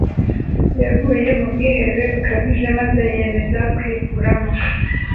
Yaguye mu bwihebe bukabije maze yiyemeza kwikuramo